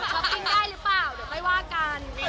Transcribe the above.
กินได้หรือเปล่าเดี๋ยวค่อยว่ากัน